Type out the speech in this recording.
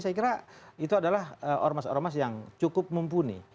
saya kira itu adalah ormas ormas yang cukup mumpuni